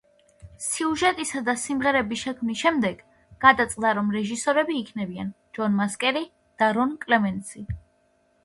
სიუჟეტისა და სიმღერების შექმნის შემდეგ გადაწყდა, რომ რეჟისორები იქნებიან ჯონ მასკერი და რონ კლემენტსი.